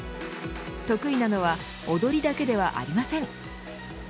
得意なのは踊りだけではありません。